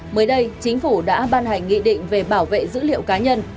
mới đây chính phủ đã ban hành nghị định về bảo vệ dữ liệu cá nhân